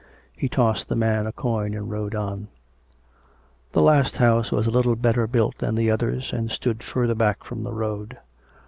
He tossed the man a coin and rode on. The last house was a little better built than the others, and stood further back from the road.